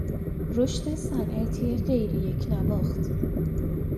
رشد صنعتی غیریکنواخت